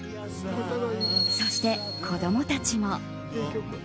そして子供たちも。